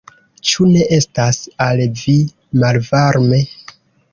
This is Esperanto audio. Ĉu ne estas al vi malvarme?